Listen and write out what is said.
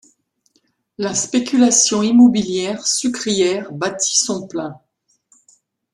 La spéculation immobilière sucrière battit son plein.